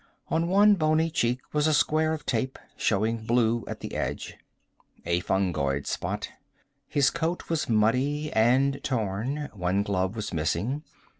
On one bony cheek was a square of tape, showing blue at the edge. A fungoid spot. His coat was muddy and torn. One glove was missing.